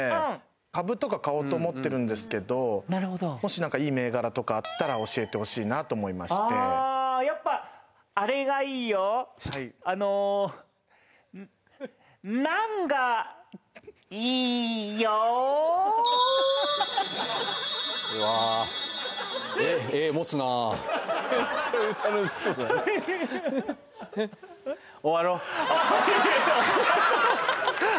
株とか買おうと思ってるんですけどもし何かいい銘柄とかあったら教えてほしいなと思いましてあやっぱあれがいいよあのナンがいようわめっちゃ楽しそうだな